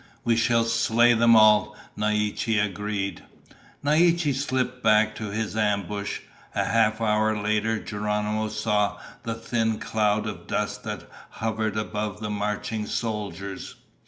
"We shall slay them all," Naiche agreed. Naiche slipped back to his ambush. A half hour later Geronimo saw the thin cloud of dust that hovered above the marching soldiers.